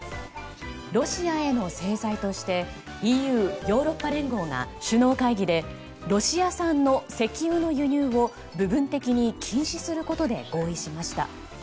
ロシアへの制裁としてＥＵ・ヨーロッパ連合が首脳会議でロシア産の石油の輸入を部分的に禁止することで合意しました。